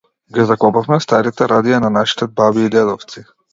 Ги закопавме старите радија на нашите баби и дедовци.